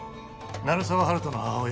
鳴沢温人の母親